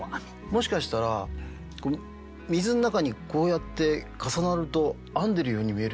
もしかしたら水の中にこうやって重なると編んでるように見えるってことですか？